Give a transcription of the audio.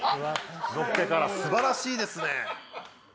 のっけからすばらしいですね。